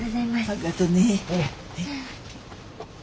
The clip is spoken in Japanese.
あっがとね。